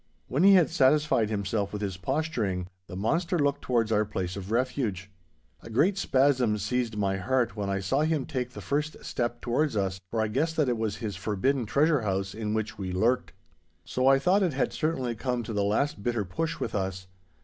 When he had satisfied himself with this posturing, the monster looked towards our place of refuge. A great spasm seized my heart when I saw him take the first step towards us, for I guessed that it was his forbidden treasure house in which we lurked. So I thought it had certainly come to the last bitter push with us.